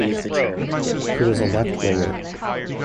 He was a left winger.